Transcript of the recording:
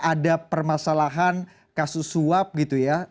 ada permasalahan kasus suap gitu ya